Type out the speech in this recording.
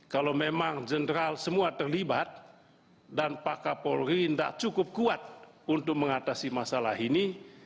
kalau memang general semua terlibat dan pak kapolri tidak cukup kuat untuk mengatasi masalah ini